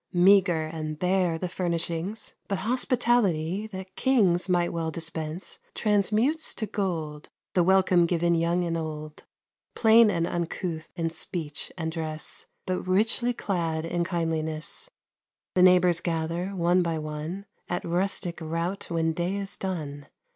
Meager and bare the furnishings, But hospitality that kings Might well dispense, transmutes to gold, The welcome given young and old. Plain and uncouth in speech and dress, But richly clad in kindliness, The neighbors gather, one by one, At rustic rout when day is done.